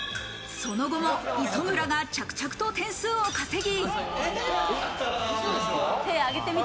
その後も磯村が着々と点数を稼ぎ。